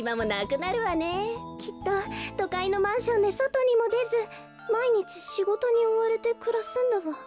きっととかいのマンションでそとにもでずまいにちしごとにおわれてくらすんだわ。